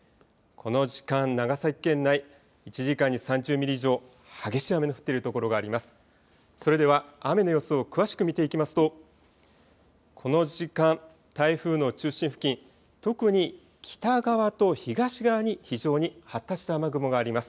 この時間、長崎県内、１時間に３０ミリ以上、激しい雨の降っている所があります。